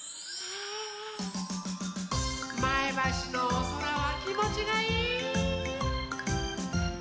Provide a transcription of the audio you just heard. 前橋のおそらはきもちがいい。